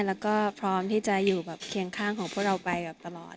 แล้วก็พร้อมจะอยู่เกียงข้างของพวกเราไปตลอด